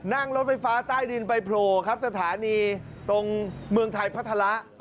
นั่งรถไฟฟ้าใต้ดินไปโผล่ครับสถานีตรงเมืองไทยพัฒระ